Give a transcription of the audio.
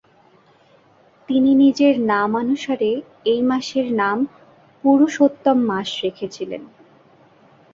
তিনি নিজের নামানুসারে এই মাসের নাম ‘পুরুষোত্তম’ মাস রেখেছেন।